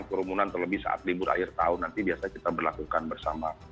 kerumunan terlebih saat libur akhir tahun nanti biasanya kita berlakukan bersama